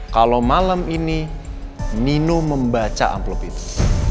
kalau malam ini nino membaca amplop itu